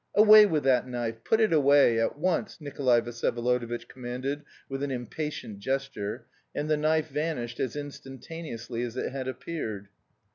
"Away with that knife; put it away, at once!" Nikolay Vsyevolodovitch commanded with an impatient gesture, and the knife vanished as instantaneously as it had appeared.